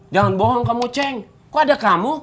jangan bohong kamu ceng kok ada kamu